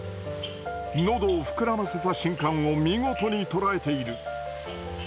喉を膨らませた瞬間を見事に捉えている。